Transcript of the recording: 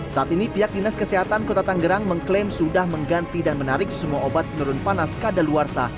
saat ini pihak dinas kesehatan kota tanggerang mengklaim sudah mengganti dan menarik semua obat penurun panas kadaluarsa